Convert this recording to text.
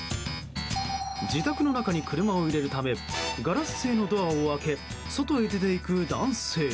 自宅の中に車を入れるためガラス製のドアを開け外へ出ていく男性。